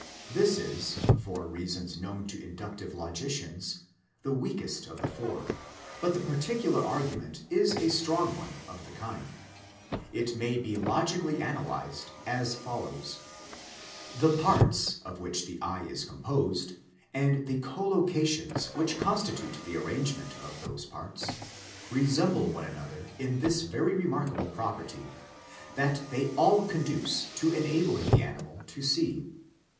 This is, for reasons known to inductive logicians, the weakest of the four, but the particular argument is a strong one of the kind. It may be logically analysed as follows : The parts of which the eye is composed, and the collocations which constitute the arrangement of those parts, resemble one another in this very remarkable property, that they all conduce to enabling the anim al MARKS OF DESIGN" IX NATURE 171 to see.